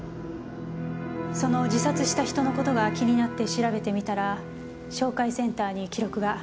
その自殺した人のことが気になって調べてみたら照会センターに記録が。